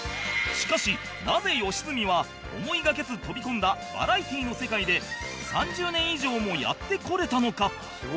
しかしなぜ良純は思いがけず飛び込んだバラエティの世界で３０年以上もやってこれたのか？